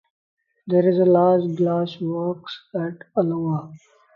There is a large glass works at Alloa.